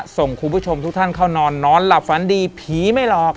ส่งคุณผู้ชมทุกท่านเข้านอนนอนหลับฝันดีผีไม่หลอก